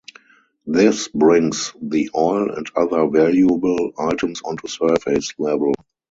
This brings the oil and other valuable items onto surface level.